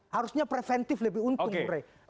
harusnya preventif lebih untung bung rey